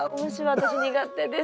私苦手です。